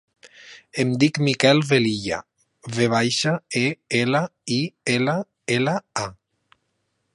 Em dic Mikel Velilla: ve baixa, e, ela, i, ela, ela, a.